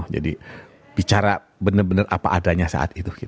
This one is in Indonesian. jadi bicara bener bener apa adanya saat itu